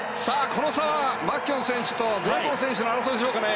この差、マキュオン選手とベーコン選手の争いでしょうか。